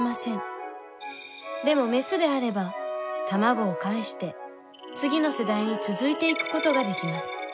でもメスであれば卵を介して次の世代に続いていくことができます。